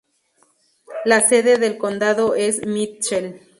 La sede del condado es Mitchell.